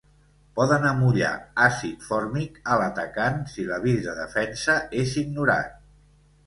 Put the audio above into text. Poden amollar àcid fòrmic a l'atacant si l'avís de defensa és ignorat.